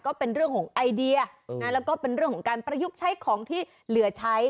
ก็เป็นเรื่องของไอเดียแล้วก็เป็นเรื่องของการประยุกต์ใช้ของที่เหลือใช้